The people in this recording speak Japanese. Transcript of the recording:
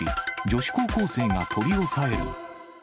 女子高校生が取り押さえる。